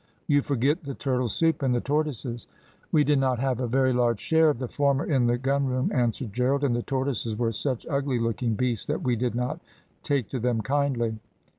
"`You forget the turtle soup and the tortoises.' "`We did not have a very large share of the former in the gunroom,' answered Gerald, `and the tortoises were such ugly looking beasts that we did not take to them kindly.'